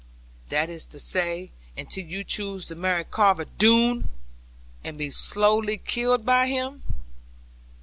'That is to say until you choose to marry Carver Doone, and be slowly killed by him?'